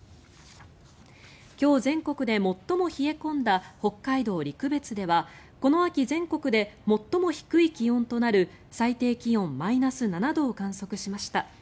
今日、全国で最も冷え込んだ北海道陸別ではこの秋全国で最も低い気温となる最低気温マイナス７度を観測しました。